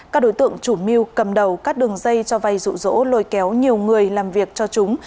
các đối tượng chủ mưu cầm đầu các đường dây cho vay rủ rỗ lôi kéo nhiều người làm việc cho chúng